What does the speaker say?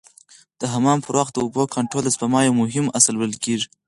د حمام پر وخت د اوبو کنټرول د سپما یو مهم اصل بلل کېږي.